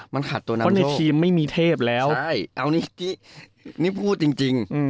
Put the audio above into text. มันขาดตัวนำโชคใช่เอานี่กี้นี่พูดจริง